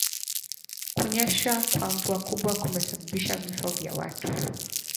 a kuonyesha kwa mvua kubwa kumesababisha vifo vya watu